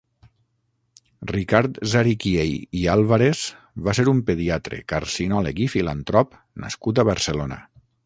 Ricard Zariquiey i Álvarez va ser un pediatre, carcinòleg i filantrop nascut a Barcelona.